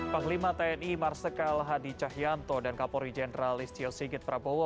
panglima tni marsikal hadi cahyanto dan kapolri jenderal listio sigit prabowo